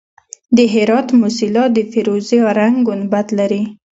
د هرات موسیلا د فیروزي رنګ ګنبد لري